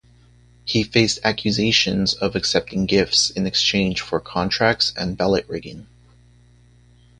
He faced accusations of accepting gifts in exchange for contracts and ballot rigging.